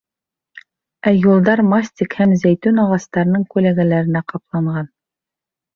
...Ә юлдар мастик һәм зәйтүн ағастарының күләгәләренә ҡапланған.